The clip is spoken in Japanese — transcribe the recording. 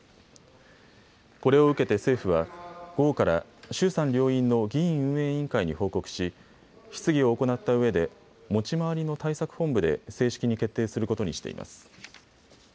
これを受けて政府は午後から衆参両院の議院運営委員会に報告し質疑を行ったうえで持ち回りの対策本部で正式に決定することにしています。